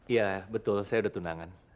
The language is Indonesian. iya betul saya sudah tunangan